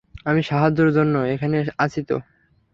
আমি সাহায্যের জন্য এখানে আছি তো।